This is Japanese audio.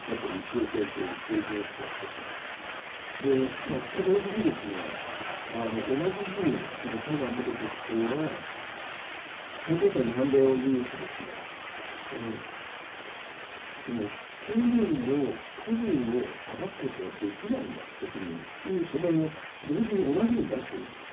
１億円という税金を使って。と同時に、佐川元局長は最高裁の判例を引用して、公務員の個人を裁くことはできないんだという書面を同時に、同じ日に出してるんですよ。